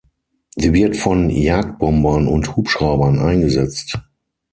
Sie wird von Jagdbombern und Hubschraubern eingesetzt.